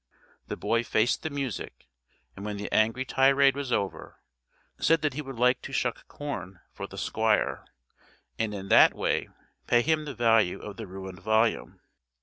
The boy faced the music, and when the angry tirade was over, said that he would like to shuck corn for the Squire, and in that way pay him the value of the ruined volume.